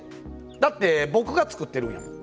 だって僕が作ってるんやもん。